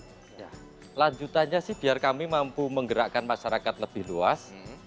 ya lanjutannya sih biar kami mampu menggerakkan masyarakat lebih luas